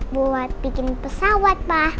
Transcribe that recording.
buat bikin pesawat pak